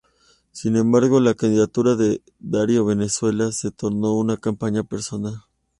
Sin embargo, la candidatura de Darío Valenzuela se tornó una campaña personal.